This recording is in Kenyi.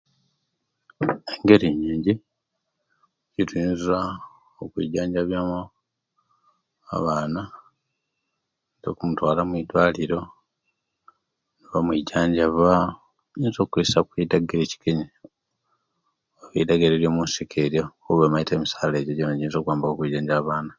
Engeri yingi ejetuyinza okwijanjabyamu abaana okumutwala mudwaliro bamwijanjaba oluisi okoyesya ku eidagala eryo munisiko nga omaite emisale